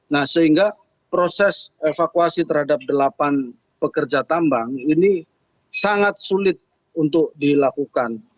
nah sehingga proses evakuasi terhadap delapan pekerja tambang ini sangat sulit untuk dilakukan